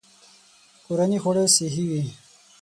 کورني خواړه صحي وي.